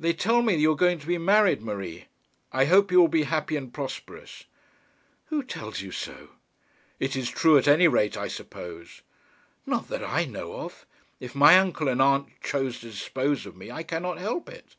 'They tell me you are going to be married, Marie. I hope you will be happy and prosperous.' 'Who tells you so?' 'It is true at any rate, I suppose.' 'Not that I know of. If my uncle and aunt choose to dispose of me, I cannot help it.'